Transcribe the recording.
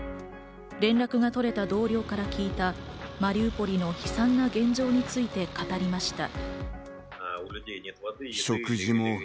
連絡が取れた同僚から聞いたマリウポリの悲惨な現状について語りました。